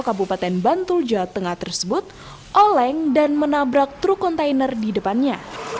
kabupaten bantul jawa tengah tersebut oleng dan menabrak truk kontainer di depannya